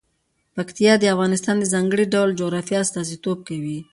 پکتیا د افغانستان د ځانګړي ډول جغرافیه استازیتوب کوي.